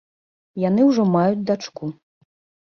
Яны ўжо маюць дачку.